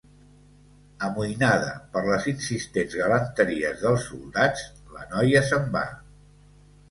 Amoïnada per les insistents galanteries dels soldats, la noia se'n va.